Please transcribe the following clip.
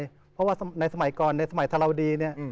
เพราะว่าในสมัยก่อนในสมัยธรรมดี